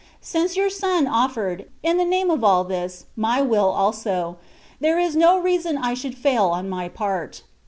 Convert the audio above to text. * Since Your Son offered, in the name of all this my will also, there is no reason I should fail on my part.